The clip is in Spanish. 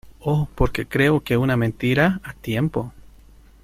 o porque creo que una mentira a tiempo